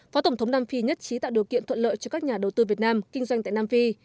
phó tổng thống nam phi nhất trí tạo điều kiện thuận lợi cho các nhà đầu tư việt nam kinh doanh tại nam phi